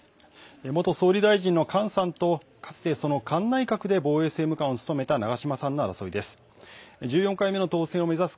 元総理大臣の菅さんとかつてその菅内閣で防衛政務官を務めた長島さんの争いです。